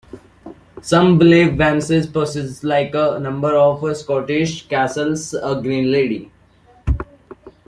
Some believe Wemyss possesses, like a number of Scottish castles, a "Green Lady".